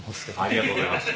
ありがとうございます。